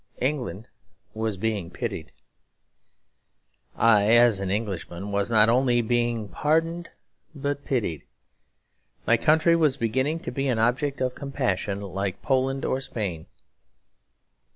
England was being pitied. I, as an Englishman, was not only being pardoned but pitied. My country was beginning to be an object of compassion, like Poland or Spain.